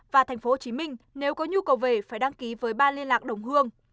và thành phố hồ chí minh nếu có nhu cầu về phải đăng ký với ba liên lạc đồng hương